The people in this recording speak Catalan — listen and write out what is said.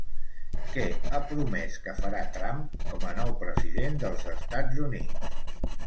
Què ha promès que farà Trump com a nou president dels Estats Units?